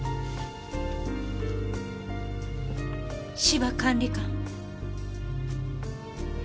芝管理官。